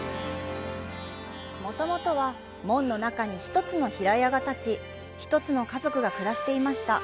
もともとは門の中に１つの平屋が建ち、１つの家族が暮らしていました。